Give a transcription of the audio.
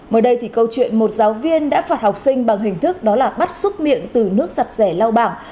mới đây thì câu chuyện một giáo viên đã phạt học sinh bằng hình thức đó là bắt xúc miệng từ nước giặt rẻ lao bảng